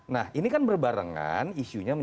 nah ini kan berbarengan